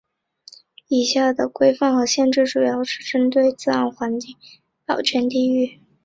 以下的规范和限制主要是针对自然环境保全地域。